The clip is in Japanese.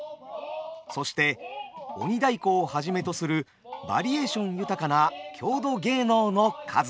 そして鬼太鼓をはじめとするバリエーション豊かな郷土芸能の数々。